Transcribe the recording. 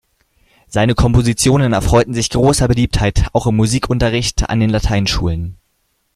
Seine Kompositionen erfreuten sich großer Beliebtheit auch im Musikunterricht an den Lateinschulen.